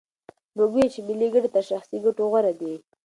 موږ وویل چې ملي ګټې تر شخصي ګټو غوره دي.